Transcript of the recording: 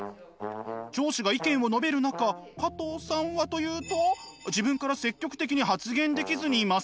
上司が意見を述べる中加藤さんはというと自分から積極的に発言できずにいます。